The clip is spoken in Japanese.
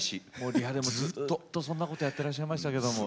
リハでもずっとそんなことやってらっしゃいましたけども。